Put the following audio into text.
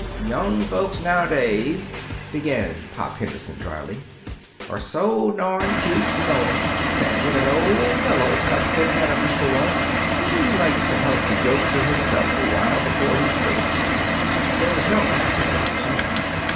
"Young folks now 'days," began Pop Henderson dryly, "are so darned cute and knowin' that when an old fellow cuts in ahead of 'em for once, he likes to hug the joke to himself a while before he springs it." There was no acid in his tone.